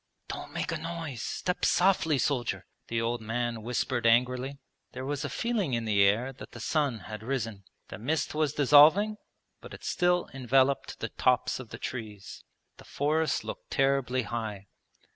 'Don't make a noise. Step softly, soldier!' the old man whispered angrily. There was a feeling in the air that the sun had risen. The mist was dissolving but it still enveloped the tops of the trees. The forest looked terribly high.